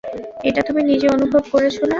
এটা তুমি নিজে অনুভব করেছো না?